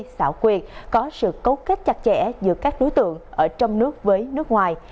xảo quyệt có sự cấu kết chặt chẽ giữa các đối tượng ở trong nước với nước ngoài